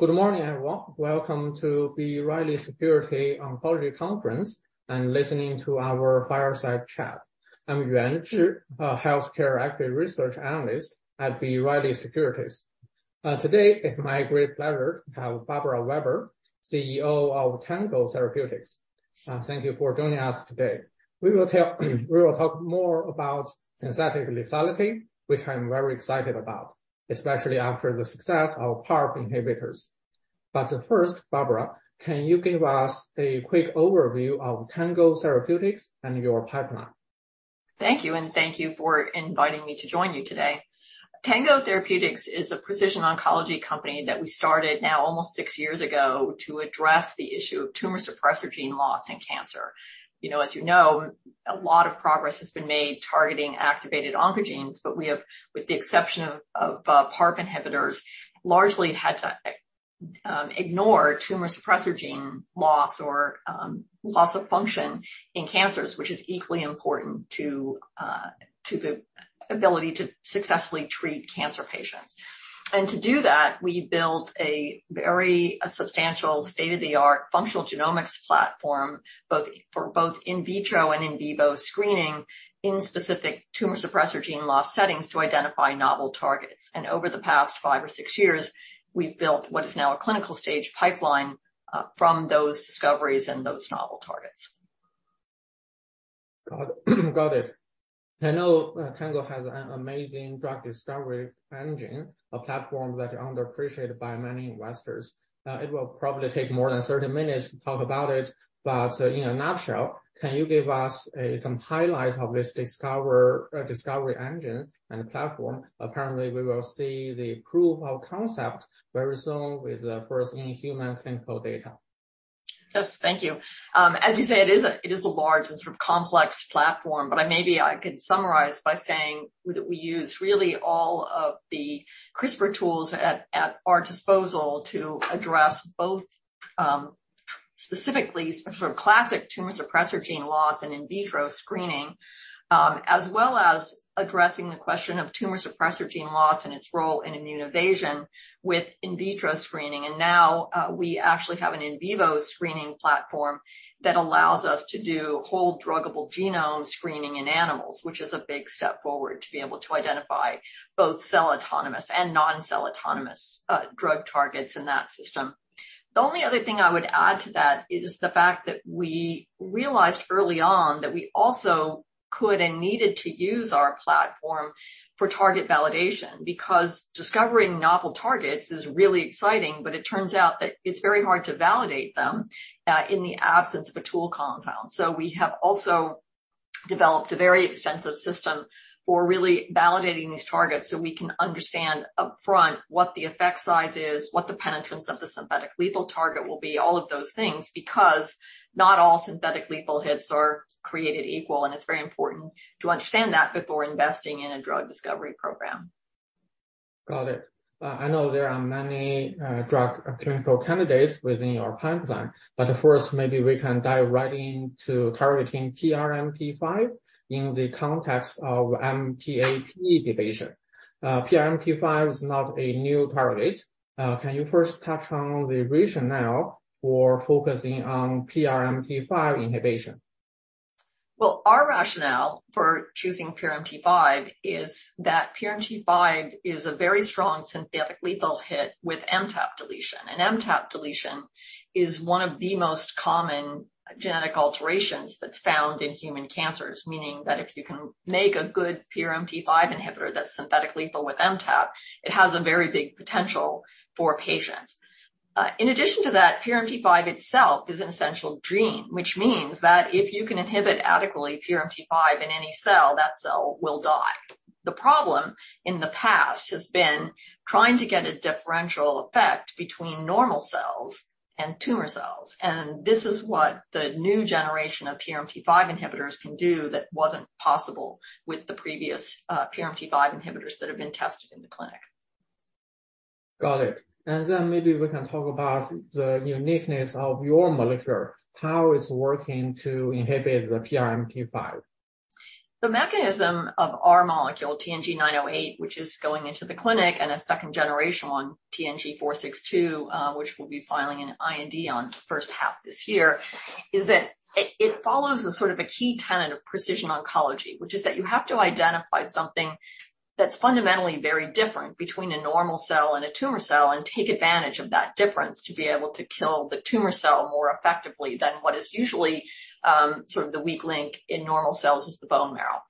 Good morning, everyone. Welcome to B. Riley Securities Oncology Conference and listening to our fireside chat. I'm Yuan Zhi, a healthcare equity research analyst at B. Riley Securities. Today it's my great pleasure to have Barbara Weber, CEO of Tango Therapeutics. Thank you for joining us today. We will talk more about synthetic lethality, which I'm very excited about, especially after the success of PARP inhibitors. First, Barbara, can you give us a quick overview of Tango Therapeutics and your pipeline? Thank you. Thank you for inviting me to join you today. Tango Therapeutics is a precision oncology company that we started now almost 6 years ago to address the issue of tumor suppressor gene loss in cancer. You know, as you know, a lot of progress has been made targeting activated oncogenes. We have, with the exception of PARP inhibitors, largely had to ignore tumor suppressor gene loss or loss of function in cancers, which is equally important to the ability to successfully treat cancer patients. To do that, we built a very substantial state-of-the-art functional genomics platform for both in vitro and in vivo screening in specific tumor suppressor gene loss settings to identify novel targets. Over the past 5 or 6 years, we've built what is now a clinical stage pipeline from those discoveries and those novel targets. Got it. I know Tango has an amazing drug discovery engine, a platform that are underappreciated by many investors. It will probably take more than 30 minutes to talk about it, but in a nutshell, can you give us some highlight of this discovery engine and platform? Apparently, we will see the proof of concept very soon with the first in-human clinical data. Yes. Thank you. As you say, it is a large and sort of complex platform, but I maybe I could summarize by saying that we use really all of the CRISPR tools at our disposal to address both, specifically sort of classic tumor suppressor gene loss and in vitro screening, as well as addressing the question of tumor suppressor gene loss and its role in immune evasion with in vitro screening. Now, we actually have an in vivo screening platform that allows us to do whole druggable genome screening in animals, which is a big step forward to be able to identify both cell-autonomous and non-cell autonomous drug targets in that system. The only other thing I would add to that is the fact that we realized early on that we also could and needed to use our platform for target validation, because discovering novel targets is really exciting, but it turns out that it's very hard to validate them, in the absence of a tool compound. We have also developed a very extensive system for really validating these targets so we can understand upfront what the effect size is, what the penetrance of the synthetic lethal target will be, all of those things, because not all synthetic lethal hits are created equal, and it's very important to understand that before investing in a drug discovery program. Got it. I know there are many drug clinical candidates within your pipeline, but first maybe we can dive right into targeting PRMT5 in the context of MTAP deletion. PRMT5 is not a new target. Can you first touch on the rationale for focusing on PRMT5 inhibition? Well, our rationale for choosing PRMT5 is that PRMT5 is a very strong synthetic lethal hit with MTAP deletion. An MTAP deletion is one of the most common genetic alterations that's found in human cancers, meaning that if you can make a good PRMT5 inhibitor that's synthetic lethal with MTAP, it has a very big potential for patients. In addition to that, PRMT5 itself is an essential gene, which means that if you can inhibit adequately PRMT5 in any cell, that cell will die. The problem in the past has been trying to get a differential effect between normal cells and tumor cells. This is what the new generation of PRMT5 inhibitors can do that wasn't possible with the previous PRMT5 inhibitors that have been tested in the clinic. Got it. Maybe we can talk about the uniqueness of your molecule, how it's working to inhibit the PRMT5? The mechanism of our molecule, TNG908, which is going into the clinic, and a second generation one, TNG462, which we'll be filing an IND on the first half of this year, is that it follows a sort of a key tenet of precision oncology, which is that you have to identify something that's fundamentally very different between a normal cell and a tumor cell and take advantage of that difference to be able to kill the tumor cell more effectively than what is usually, sort of the weak link in normal cells is the bone marrow.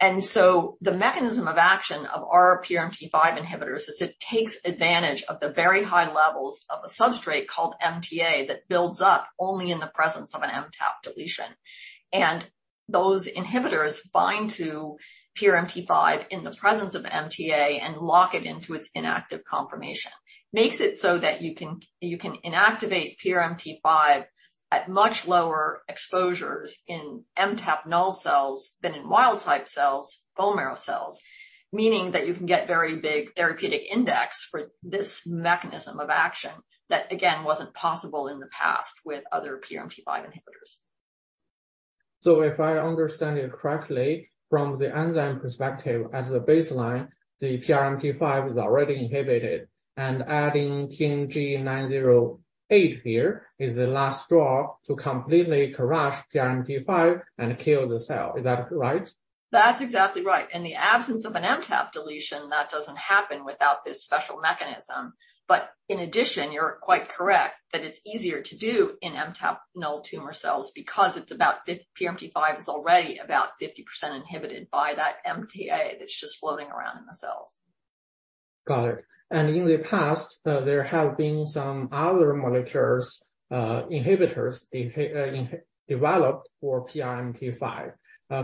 The mechanism of action of our PRMT5 inhibitors is it takes advantage of the very high levels of a substrate called MTA that builds up only in the presence of an MTAP deletion. Those inhibitors bind to PRMT5 in the presence of MTA and lock it into its inactive conformation. Makes it so that you can inactivate PRMT5 at much lower exposures in MTAP null cells than in wild type cells, bone marrow cells. Meaning that you can get very big therapeutic index for this mechanism of action that again, wasn't possible in the past with other PRMT5 inhibitors. If I understand it correctly, from the enzyme perspective as a baseline, the PRMT5 was already inhibited, and adding TNG908 here is the last draw to completely crush PRMT5 and kill the cell. Is that right? That's exactly right. In the absence of an MTAP deletion, that doesn't happen without this special mechanism. In addition, you're quite correct that it's easier to do in MTAP null tumor cells because PRMT5 is already about 50% inhibited by that MTA that's just floating around in the cells. Got it. In the past, there have been some other molecules, inhibitors developed for PRMT5.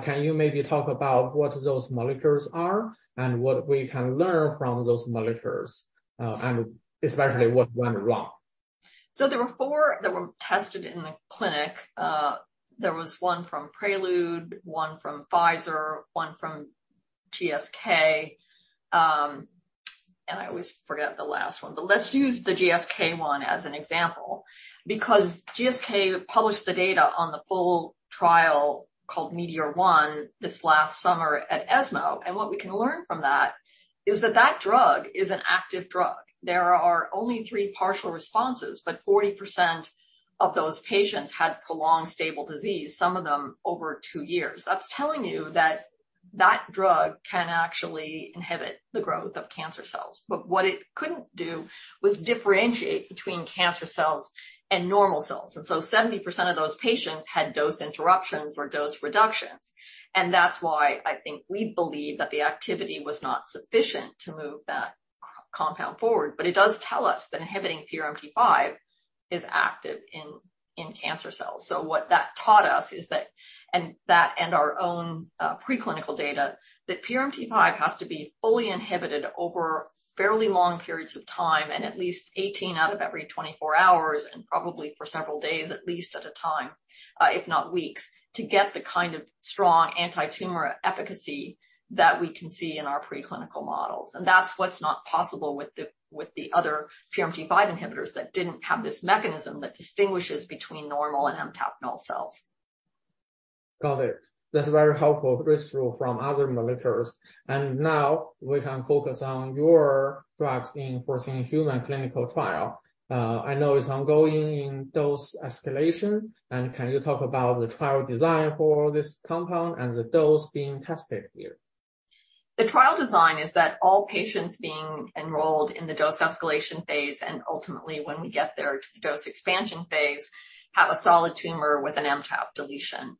Can you maybe talk about what those molecules are and what we can learn from those molecules? Especially what went wrong. There were 4 that were tested in the clinic. There was 1 from Prelude, 1 from Pfizer, 1 from GSK, and I always forget the last 1. Let's use the GSK 1 as an example, because GSK published the data on the full trial called METEOR-1 this last summer at ESMO. What we can learn from that is that that drug is an active drug. There are only 3 partial responses, but 40% of those patients had prolonged stable disease, some of them over 2 years. That's telling you that that drug can actually inhibit the growth of cancer cells. What it couldn't do was differentiate between cancer cells and normal cells. 70% of those patients had dose interruptions or dose reductions. That's why I think we believe that the activity was not sufficient to move that compound forward. It does tell us that inhibiting PRMT5 is active in cancer cells. What that taught us is that, and that and our own preclinical data, that PRMT5 has to be fully inhibited over fairly long periods of time and at least 18 out of every 24 hours, and probably for several days at least at a time, if not weeks, to get the kind of strong antitumor efficacy that we can see in our preclinical models. That's what's not possible with the other PRMT5 inhibitors that didn't have this mechanism that distinguishes between normal and MTAP null cells. Got it. That's very helpful, this rule from other molecules. Now we can focus on your drugs enforcing human clinical trial. I know it's ongoing in dose escalation, can you talk about the trial design for this compound and the dose being tested here? The trial design is that all patients being enrolled in the dose escalation phase, and ultimately, when we get there to the dose expansion phase, have a solid tumor with an MTAP deletion.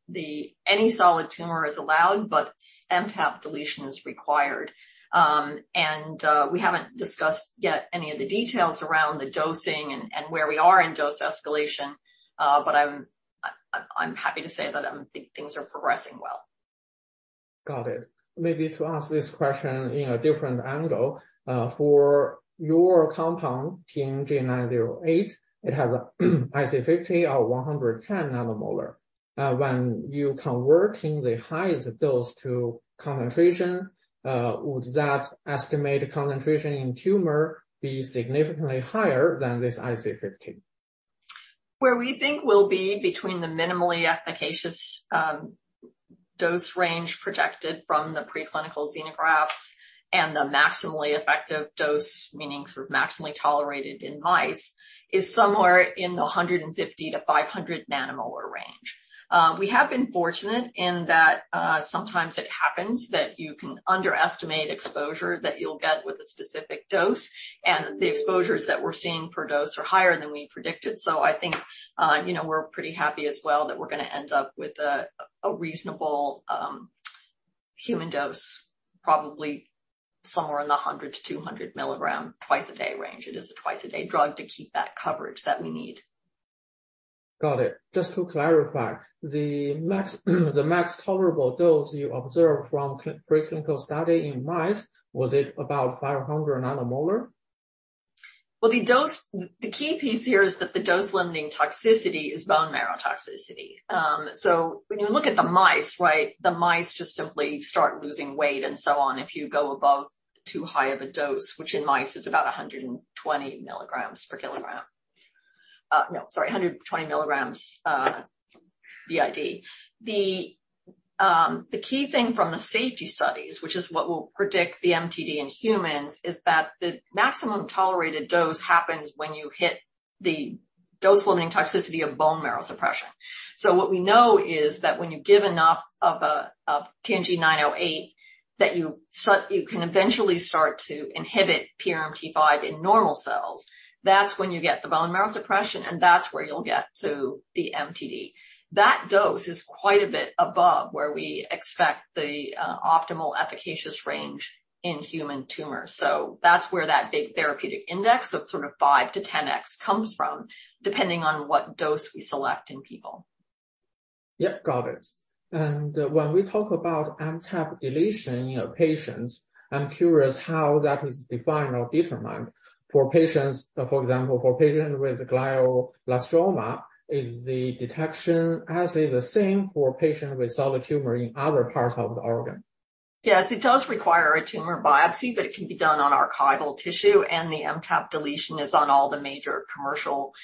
Any solid tumor is allowed, but MTAP deletion is required. We haven't discussed yet any of the details around the dosing and where we are in dose escalation, but I'm happy to say that things are progressing well. Got it. Maybe to ask this question in a different angle. For your compound, TNG908, it has a IC50 of 110 nanomolar. When you converting the highest dose to concentration, would that estimated concentration in tumor be significantly higher than this IC50? Where we think we'll be between the minimally efficacious dose range projected from the preclinical xenografts and the maximally effective dose, meaning sort of maximally tolerated in mice, is somewhere in the 150-500 nanomolar range. We have been fortunate in that sometimes it happens that you can underestimate exposure that you'll get with a specific dose, and the exposures that we're seeing per dose are higher than we predicted. I think we're pretty happy as well that we're gonna end up with a reasonable human dose, probably somewhere in the 100-200 milligram twice-a-day range. It is a twice-a-day drug to keep that coverage that we need. Got it. Just to clarify, the max tolerable dose you observed from preclinical study in mice, was it about 500 nanomolar? The key piece here is that the dose-limiting toxicity is bone marrow toxicity. When you look at the mice, right, the mice just simply start losing weight and so on if you go above too high of a dose, which in mice is about 120 milligrams per kilogram. No, sorry, 120 milligrams BID. The key thing from the safety studies, which is what will predict the MTD in humans, is that the maximum tolerated dose happens when you hit the dose-limiting toxicity of bone marrow suppression. What we know is that when you give enough of TNG908 that you can eventually start to inhibit PRMT5 in normal cells, that's when you get the bone marrow suppression, and that's where you'll get to the MTD. That dose is quite a bit above where we expect the optimal efficacious range in human tumors. That's where that big therapeutic index of sort of 5-10x comes from, depending on what dose we select in people. Yep, got it. When we talk about MTAP deletion in patients, I'm curious how that is defined or determined. For patients, for example, for patients with glioblastoma, is the detection assay the same for patients with solid tumor in other parts of the organ? Yes, it does require a tumor biopsy, but it can be done on archival tissue, and the MTAP deletion is on all the major commercial,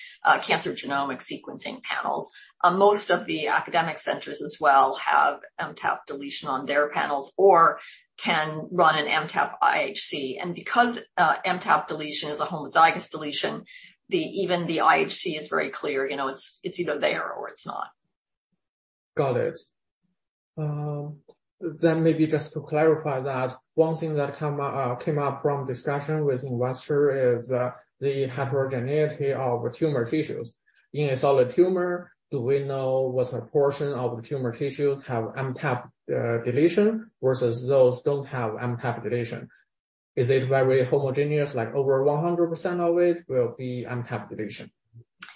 cancer genomic sequencing panels. Most of the academic centers as well have MTAP deletion on their panels or can run an MTAP IHC. Because MTAP deletion is a homozygous deletion, even the IHC is very clear. You know, it's either there or it's not. Got it. Maybe just to clarify that, one thing that came up from discussion with investor is the heterogeneity of tumor tissues. In a solid tumor, do we know what proportion of the tumor tissues have MTAP deletion versus those don't have MTAP deletion? Is it very homogeneous, like over 100% of it will be MTAP deletion?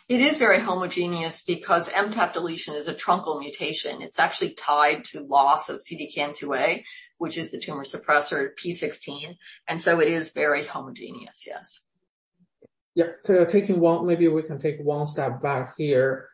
It is very homogeneous because MTAP deletion is a truncal mutation. It's actually tied to loss of CDKN2A, which is the tumor suppressor p16. It is very homogeneous, yes. Yeah. Maybe we can take one step back here.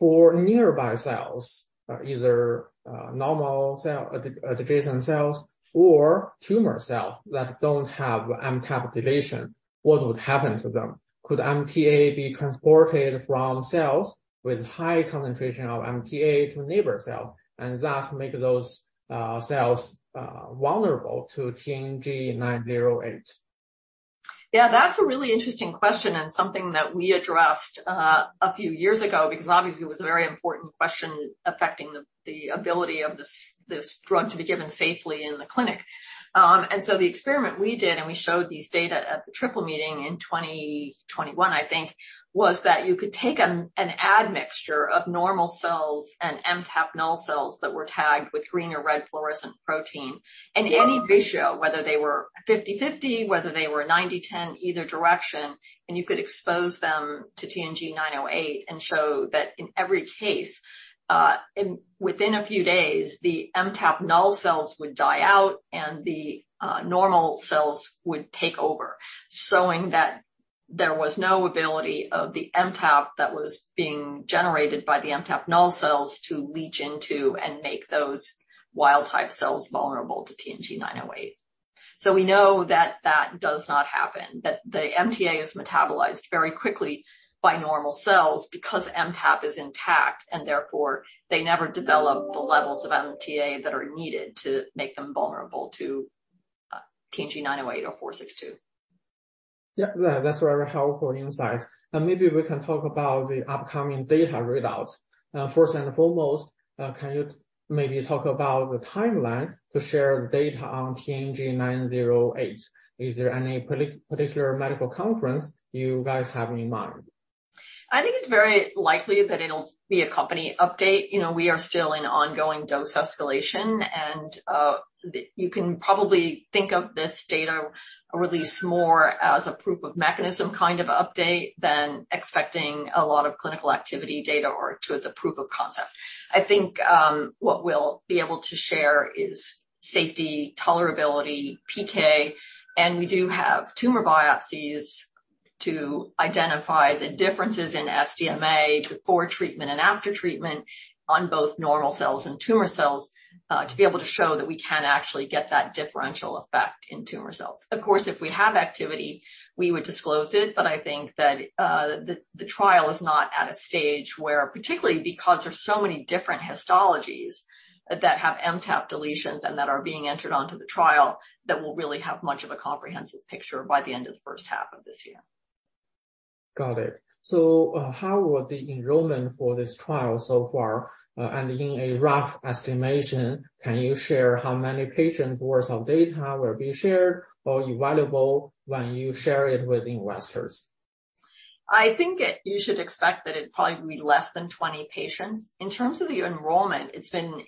For nearby cells, either normal cell, adjacent cells or tumor cell that don't have MTAP deletion, what would happen to them? Could MTA be transported from cells with high concentration of MTA to neighbor cell and thus make those cells vulnerable to TNG908? Yeah, that's a really interesting question and something that we addressed a few years ago, because obviously it was a very important question affecting the ability of this drug to be given safely in the clinic. The experiment we did, and we showed these data at the Triple Meeting in 2021, I think, was that you could take an admixture of normal cells and MTAP null cells that were tagged with green or red fluorescent protein. Any ratio. Mm-hmm. Whether they were 50-50, whether they were 90-10, either direction, and you could expose them to TNG908 and show that in every case, within a few days, the MTAP null cells would die out and the normal cells would take over, showing that there was no ability of the MTAP that was being generated by the MTAP null cells to leach into and make those wild type cells vulnerable to TNG908. We know that that does not happen, that the MTA is metabolized very quickly by normal cells because MTAP is intact, and therefore they never develop the levels of MTA that are needed to make them vulnerable to TNG908 or TNG462. Yeah. That's very helpful insight. Maybe we can talk about the upcoming data readouts. First and foremost, can you maybe talk about the timeline to share data on TNG908? Is there any particular medical conference you guys have in mind? I think it's very likely that it'll be a company update. You know, we are still in ongoing dose escalation, you can probably think of this data release more as a proof of mechanism kind of update than expecting a lot of clinical activity data or to the proof of concept. I think what we'll be able to share is safety, tolerability, PK, and we do have tumor biopsies to identify the differences in SDMA before treatment and after treatment on both normal cells and tumor cells, to be able to show that we can actually get that differential effect in tumor cells. Of course, if we have activity, we would disclose it, but I think that the trial is not at a stage where, particularly because there's so many different histologies that have MTAP deletions and that are being entered onto the trial, that we'll really have much of a comprehensive picture by the end of the first half of this year. Got it. How was the enrollment for this trial so far? In a rough estimation, can you share how many patients worth of data will be shared or evaluable when you share it with investors? I think you should expect that it probably will be less than 20 patients. In terms of the enrollment, it's been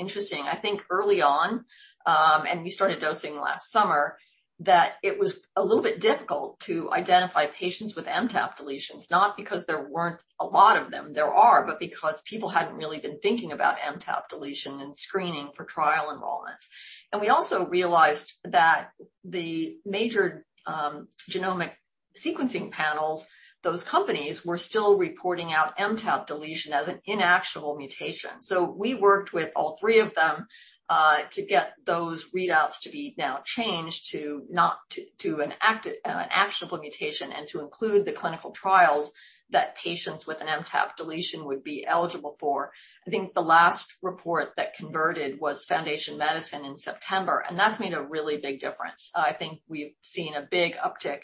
interesting. I think early on, and we started dosing last summer, that it was a little bit difficult to identify patients with MTAP deletions, not because there weren't a lot of them, there are, but because people hadn't really been thinking about MTAP deletion and screening for trial enrollment. We also realized that the major genomic sequencing panels, those companies were still reporting out MTAP deletion as an inactionable mutation. We worked with all three of them to get those readouts to be now changed to an actionable mutation and to include the clinical trials that patients with an MTAP deletion would be eligible for. I think the last report that converted was Foundation Medicine in September, and that's made a really big difference. I think we've seen a big uptick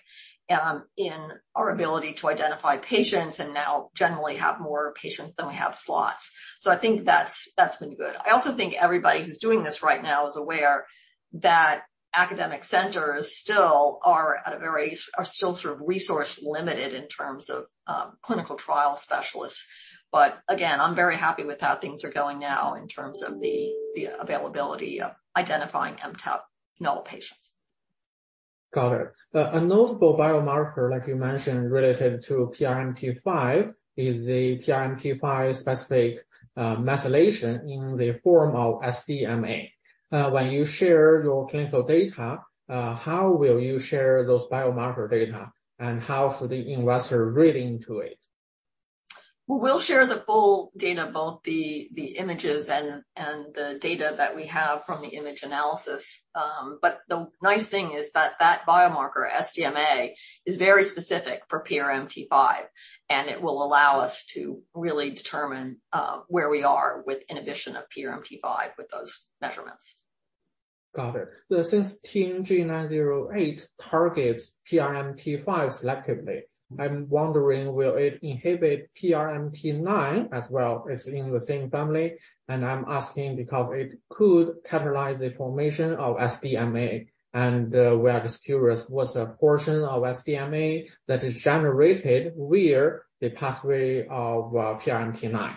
in our ability to identify patients and now generally have more patients than we have slots. I think that's been good. I also think everybody who's doing this right now is aware that academic centers still are still sort of resource limited in terms of clinical trial specialists. Again, I'm very happy with how things are going now in terms of the availability of identifying MTAP null patients. Got it. A notable biomarker, like you mentioned, related to PRMT5 is the PRMT5 specific methylation in the form of SDMA. When you share your clinical data, how will you share those biomarker data and how should the investor read into it? We'll share the full data, both the images and the data that we have from the image analysis. The nice thing is that that biomarker, SDMA, is very specific for PRMT5, and it will allow us to really determine where we are with inhibition of PRMT5 with those measurements. Got it. Since TNG908 targets PRMT5 selectively, I'm wondering will it inhibit PRMT9 as well? It's in the same family, and I'm asking because it could catalyze the formation of SDMA. We are just curious what's the portion of SDMA that is generated via the pathway of PRMT9?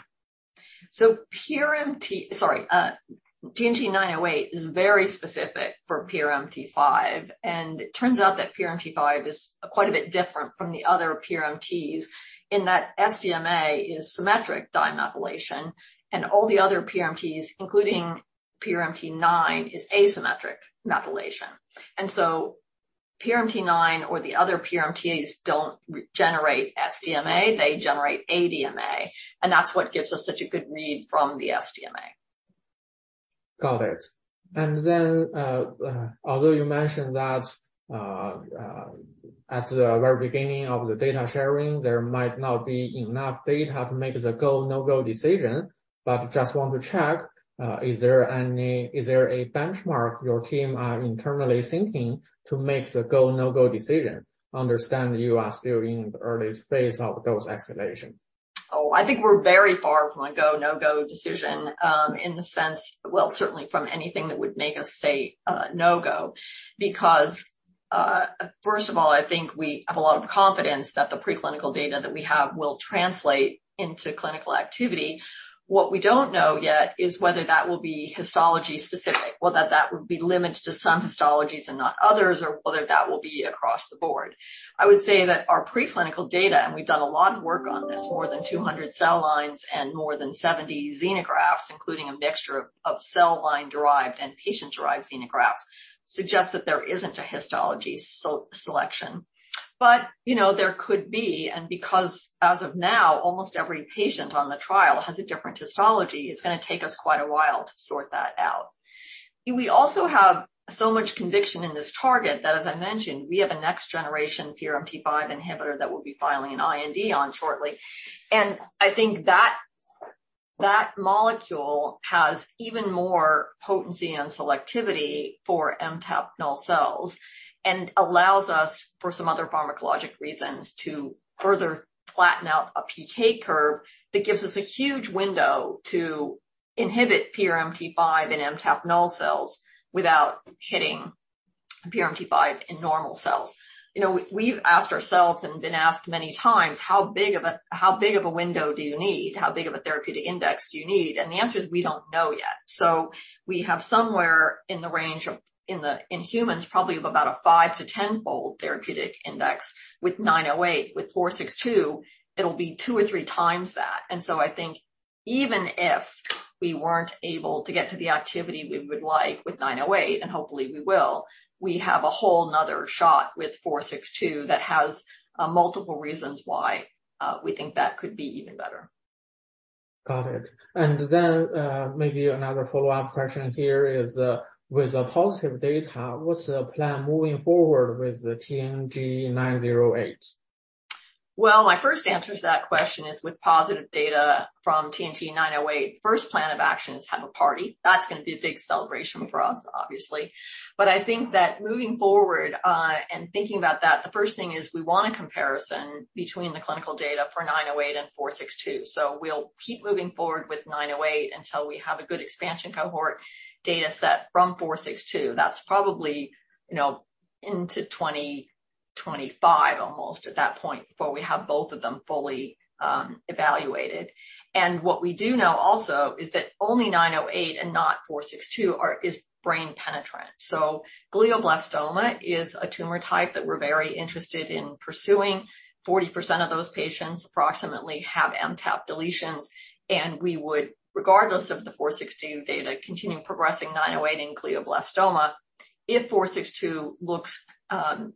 Sorry. TNG908 is very specific for PRMT5. It turns out that PRMT5 is quite a bit different from the other PRMTs in that SDMA is symmetric dimethylation, and all the other PRMTs, including PRMT9, is asymmetric methylation. PRMT9 or the other PRMTs don't generate SDMA, they generate ADMA, and that's what gives us such a good read from the SDMA. Got it. Although you mentioned that, at the very beginning of the data sharing, there might not be enough data to make the go, no-go decision, but just want to check, is there a benchmark your team are internally thinking to make the go, no-go decision? Understand you are still in the early phase of dose escalation. I think we're very far from a go, no-go decision, in the sense. Well, certainly from anything that would make us say, no go, because, first of all, I think we have a lot of confidence that the preclinical data that we have will translate into clinical activity. What we don't know yet is whether that will be histology specific or that that would be limited to some histologies and not others, or whether that will be across the board. I would say that our preclinical data, and we've done a lot of work on this, more than 200 cell lines and more than 70 xenografts, including a mixture of cell line derived and patient-derived xenografts, suggest that there isn't a histology selection. You know, there could be. Because as of now, almost every patient on the trial has a different histology, it's gonna take us quite a while to sort that out. We also have so much conviction in this target that, as I mentioned, we have a next generation PRMT5 inhibitor that we'll be filing an IND on shortly. I think that molecule has even more potency and selectivity for MTAP null cells and allows us, for some other pharmacologic reasons, to further flatten out a PK curve that gives us a huge window to inhibit PRMT5 and MTAP null cells without hitting PRMT5 in normal cells. You know, we've asked ourselves, and been asked many times, how big of a window do you need? How big of a therapeutic index do you need? The answer is, we don't know yet. We have somewhere in the range of in humans, probably of about a 5-10-fold therapeutic index with 908. With 462, it'll be two or three times that. I think even if we weren't able to get to the activity we would like with 908, and hopefully we will, we have a whole another shot with 462 that has multiple reasons why we think that could be even better. Got it. Maybe another follow-up question here is, with the positive data, what's the plan moving forward with the TNG908? Well, my first answer to that question is, with positive data from TNG908, first plan of action is have a party. That's gonna be a big celebration for us, obviously. I think that moving forward, and thinking about that, the first thing is we want a comparison between the clinical data for 908 and 462. We'll keep moving forward with 908 until we have a good expansion cohort data set from 462. That's probably into 2025 almost at that point, before we have both of them fully evaluated. What we do know also is that only 908 and not 462 is brain penetrant. Glioblastoma is a tumor type that we're very interested in pursuing. 40% of those patients approximately have MTAP deletions. We would, regardless of the TNG462 data, continue progressing TNG908 in glioblastoma. If TNG462 looks,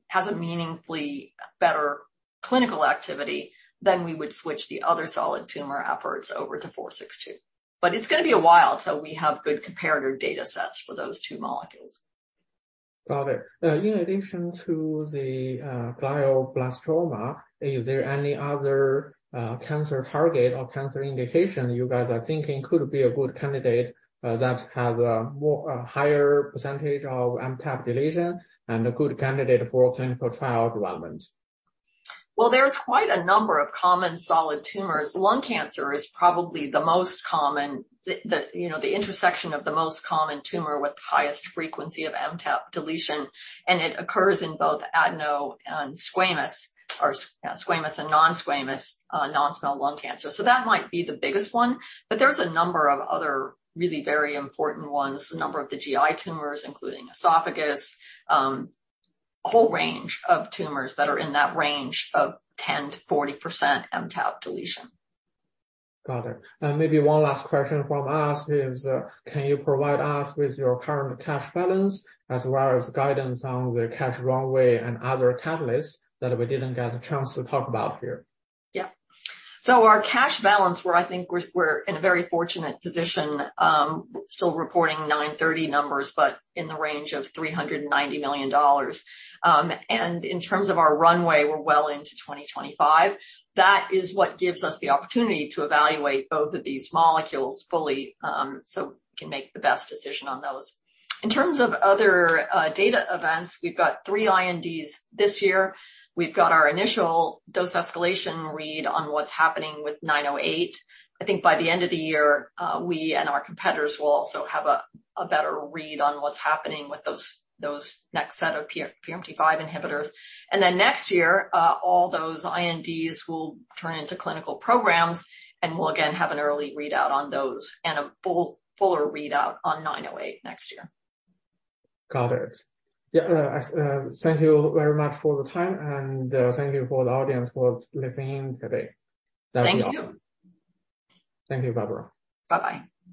has a meaningfully better clinical activity, we would switch the other solid tumor efforts over to TNG462. It's gonna be a while till we have good comparator data sets for those two molecules. Got it. In addition to the glioblastoma, is there any other cancer target or cancer indication you guys are thinking could be a good candidate that have a more, a higher percentage of MTAP deletion and a good candidate for clinical trial development? There's quite a number of common solid tumors. Lung cancer is probably the most common. The intersection of the most common tumor with the highest frequency of MTAP deletion, and it occurs in both adenocarcinoma and squamous or squamous and non-squamous non-small cell lung cancer. That might be the biggest one. There's a number of other really very important ones. A number of the GI tumors, including esophagus, a whole range of tumors that are in that range of 10%-40% MTAP deletion. Got it. Maybe one last question from us is, can you provide us with your current cash balance as well as guidance on the cash runway and other catalysts that we didn't get a chance to talk about here? Our cash balance, I think we're in a very fortunate position, still reporting 9/30 numbers, but in the range of $390 million. In terms of our runway, we're well into 2025. That is what gives us the opportunity to evaluate both of these molecules fully, we can make the best decision on those. In terms of other data events, we've got 3 INDs this year. We've got our initial dose escalation read on what's happening with TNG908. I think by the end of the year, we and our competitors will also have a better read on what's happening with those next set of PRMT5 inhibitors. Next year, all those INDs will turn into clinical programs, and we'll again have an early readout on those and a fuller readout on 908 next year. Got it. Yeah. Thank you very much for the time. Thank you for the audience for listening today. That's all. Thank you. Thank you, Barbara. Bye-bye.